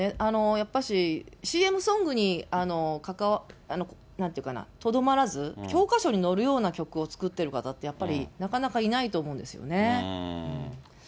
やっぱし、ＣＭソングにとどまらず、教科書に載るような曲を作っている方って、やっぱりなかなかいないと思うんですよね。